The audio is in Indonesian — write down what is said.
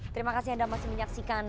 terima kasih anda masih menyaksikan